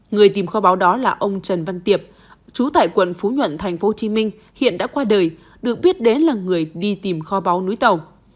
người tìm kho báo đó là ông trần văn tiệp chú tại quận phú nhuận tp hcm hiện đã qua đời được biết đến là người đi tìm kho báu núi tàu